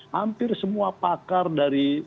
hampir semua pakar dari